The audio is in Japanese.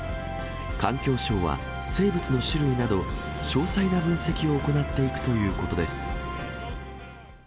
環境省は、生物の種類など、詳細な分析を行っていくということです。